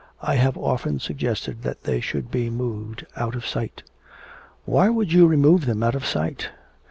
I have often suggested that they should be moved out of sight.' 'Why would you remove them out of sight?